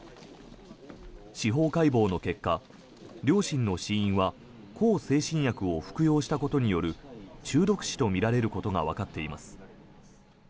司法解剖の結果、両親の死因は向精神薬を服用したことによる中毒死とみられることがわかっています。